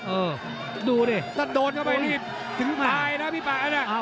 เออดูดิถ้าโดดเข้าไปนิดถึงตายนะพี่ป่าเนี่ย